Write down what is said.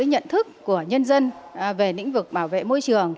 nhận thức của nhân dân về lĩnh vực bảo vệ môi trường